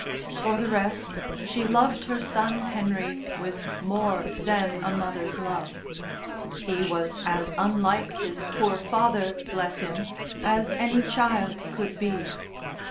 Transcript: For the rest she loved her son Henry with more than a mother's love; he was as unlike his poor father, bless him, as any child could be.